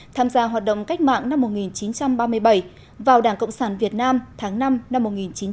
tham gia hoạt động cách mạng năm một nghìn chín trăm ba mươi bảy vào đảng cộng sản việt nam tháng năm năm một nghìn chín trăm bốn mươi năm